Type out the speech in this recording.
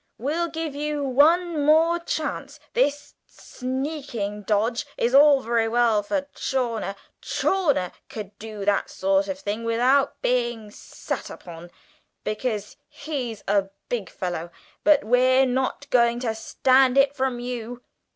we'll give you one more chance. This sneaking dodge is all very well for Chawner. Chawner could do that sort of thing without getting sat upon, because he's a big fellow; but we're not going to stand it from you.